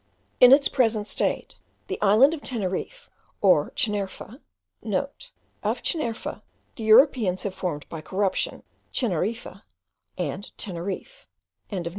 In its present state, the island of Teneriffe, the Chinerfe* (* Of Chinerfe the Europeans have formed, by corruption, Tchineriffe and Teneriffe.)